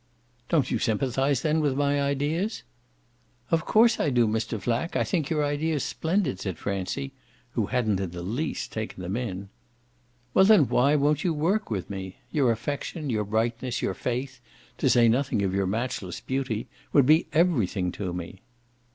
"Don't you sympathise then with my ideas?" "Of course I do, Mr. Flack; I think your ideas splendid," said Francie, who hadn't in the least taken them in. "Well then why won't you work with me? Your affection, your brightness, your faith to say nothing of your matchless beauty would be everything to me."